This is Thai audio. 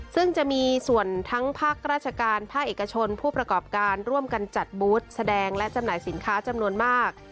ซึ่งจะมีส่วนทั้งภาคราชการภาคเอกชนผู้ประกอบการร่วมกันจัดบูธแสดงและจำหน่ายสินค้าจำนวนมาก